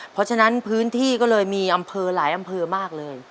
เพราะฉะนั้นพื้นที่ก็เลยมีอำเภอหลายอำเภอมากเลย